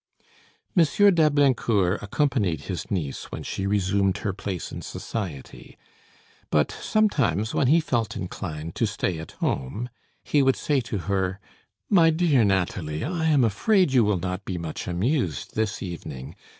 M. d'Ablaincourt accompanied his niece when she resumed her place in society; but sometimes, when he felt inclined to stay at home, he would say to her: "My dear Nathalie, I am afraid you will not be much amused this evening.